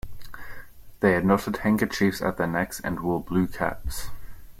They had knotted handkerchiefs at their necks and wore blue caps.